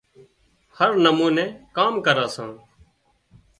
هر نموني ڪام ڪران سان